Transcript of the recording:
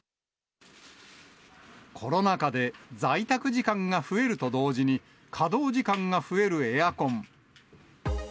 コロナ禍で在宅時間が増えると同時に、稼働時間が増えるエアコン。